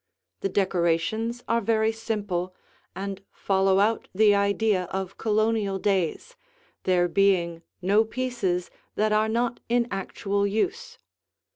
The decorations are very simple and follow out the idea of Colonial days, there being no pieces that are not in actual use.